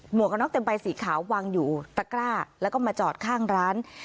กระน็อกเต็มใบสีขาววางอยู่ตะกร้าแล้วก็มาจอดข้างร้าน